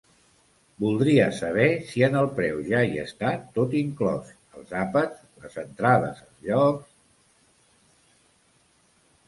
Voldria saber si en el preu ja hi és tot inclòs: els àpats, les entrades als llocs...